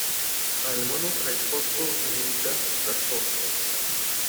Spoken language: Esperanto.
Al mono kaj forto humiliĝas la sorto.